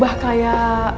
eh kayak gimana sih bu